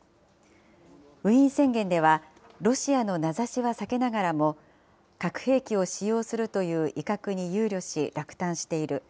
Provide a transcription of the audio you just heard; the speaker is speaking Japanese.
ウィーン宣言では、ロシアの名指しは避けながらも、核兵器を使用するという威嚇に憂慮し落胆している。